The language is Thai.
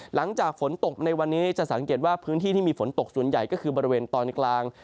หลังจากฝนตกในวันนี้จะสังเกตว่าพื้นที่ที่มีฝนตกส่วนใหญ่ก็คือบริเวณตอนกลาง